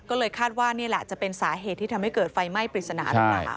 ก็เลยคาดว่านี่แหละจะเป็นสาเหตุที่ทำให้เกิดไฟไหม้ปริศนาหรือเปล่า